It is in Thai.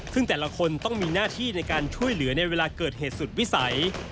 ซึ่งแต่ละคนต้องมีหน้าที่ในการช่วยเหลือในเวลาเกิดเหตุสุดวิสัย